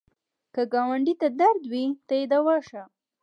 که ګاونډي ته درد وي، ته یې دوا شه